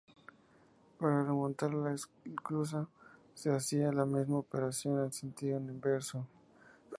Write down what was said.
Para remontar la esclusa, se hacía la misma operación en sentido inverso.